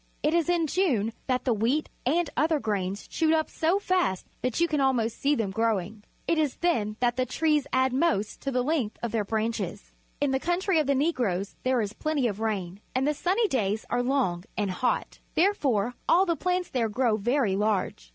It is in June that the wheat and other grains shoot up so fast that you can almost see them growing. It is then that the trees add most to the length of their branches. In the country of the Negroes there is plenty of rain, and the sunny days are long and hot. Therefore all the plants there grow very large.